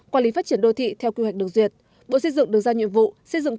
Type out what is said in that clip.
quản lý phát triển đô thị theo quy hoạch được duyệt bộ xây dựng được giao nhiệm vụ xây dựng